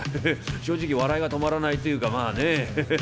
正直笑いが止まらないというかまあねヘヘヘヘヘ！」。